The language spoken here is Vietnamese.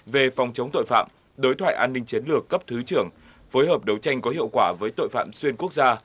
về phòng chống tội phạm đối thoại an ninh chiến lược cấp thứ trưởng phối hợp đấu tranh có hiệu quả với tội phạm xuyên quốc gia